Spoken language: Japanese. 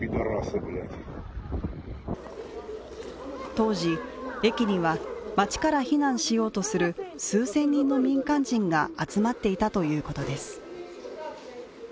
当時、駅には町から避難しようとする数千人の民間人が集まっていたということです